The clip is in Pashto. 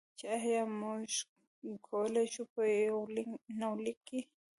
چې ایا موږ کولی شو، په یونلیک کې.